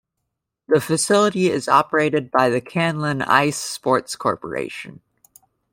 The facility is operated by Canlan Ice Sports Corporation.